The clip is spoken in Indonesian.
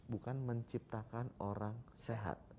bukan menciptakan orang sehat